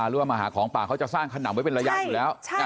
หรือว่ามาหาของป่าเขาจะสร้างขนำไว้เป็นระยะอยู่แล้ว